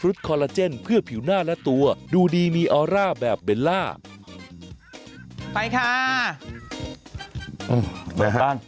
เปิดบ้านเปิดบ้านเอ๊ะอะไรนะเชิงตะกอน